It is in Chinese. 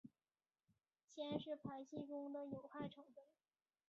铅是排气中的有害成分。